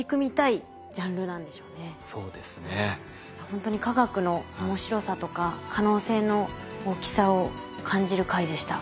ほんとに化学の面白さとか可能性の大きさを感じる回でした。